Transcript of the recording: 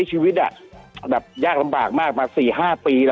คุณติเล่าเรื่องนี้ให้ฮะ